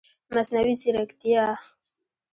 مصنوعي ځرکتیا